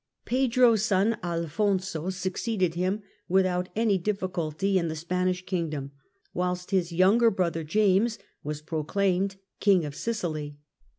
Pedro's son Alfonso succeeded him without any difficulty in the Spanish kingdom, whilst his younger brother James was proclaimed King of Sicily.